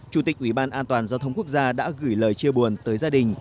chủ tịch ủy ban an toàn giao thông quốc gia đã gửi lời chia buồn tới gia đình